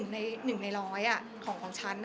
๑ในร้อยของชั้น